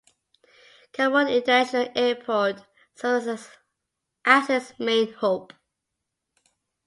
Kabul International Airport serves as its main hub.